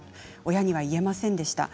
親には言えませんでした。